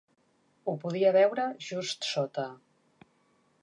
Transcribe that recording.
Ho podia veure just sota.